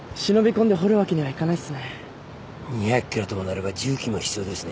２００ｋｇともなれば重機も必要ですね。